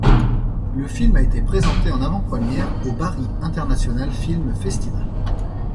Le film a été présenté en avant-première au Bari International Film Festival.